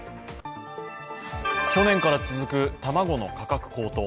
去年から続く卵の価格高騰。